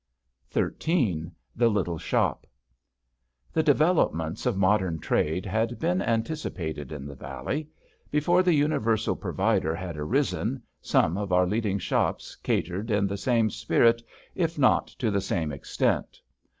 52 XIII THE LITTLE SHOP The developments of modern trade had been anticipated in the valley. Before the " universal provider " had arisen, some of our leading shops catered in the same spirit if not to the same extent.